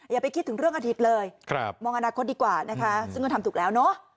อย่าไปคิดถึงเรื่องอาทิตย์เลยมองอนาคตดีกว่านะคะซึ่งก็ทำถูกแล้วเนอะ